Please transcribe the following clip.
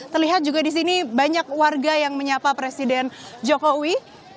terlihat juga di sini banyak warga yang menyapa presiden jokowi